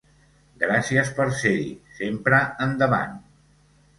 Gràcies per ser-hi i Sempre endavant!